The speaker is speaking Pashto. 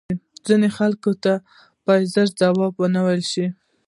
ځینو خلکو ته باید زر جواب وه نه ویل شې